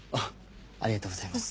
ありがとうございます。